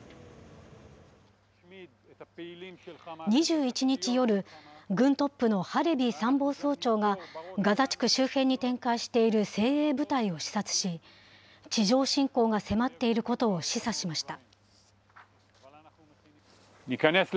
２１日夜、軍トップのハレビ参謀総長がガザ地区周辺に展開している精鋭部隊を視察し、地上侵攻が迫っていることを示唆しました。